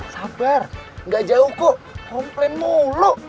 sabar nggak jauh kok komplain mulu